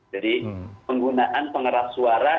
jadi penggunaan pengeras warga